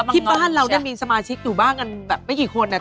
ที่บ้านเราเนี่ยมีสมาชิกอยู่บ้านกันแบบไม่กี่คน